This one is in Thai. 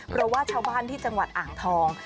เพราะว่าชาวบ้านที่จังหวัดอ่างทอง